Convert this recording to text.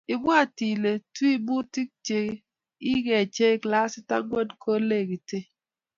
ibwaat ile tiwmutik che ike che klasit angwan kolekiten